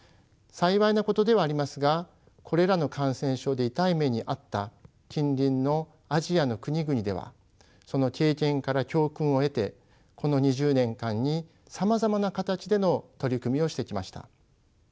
幸いなことではありますがこれらの感染症で痛い目に遭った近隣のアジアの国々ではその経験から教訓を得てこの２０年間にさまざまな形での取り組みをしてきました。